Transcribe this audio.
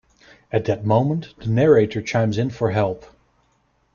At that moment, the narrator chimes in for help.